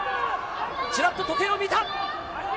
ちらっと時計を見た。